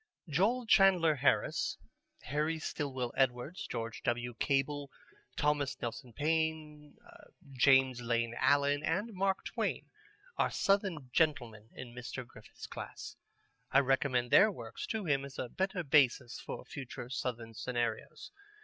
Joel Chandler Harris, Harry Stillwell Edwards, George W. Cable, Thomas Nelson Page, James Lane Allen, and Mark Twain are Southern men in Mr. Griffith's class. I recommend their works to him as a better basis for future Southern scenarios.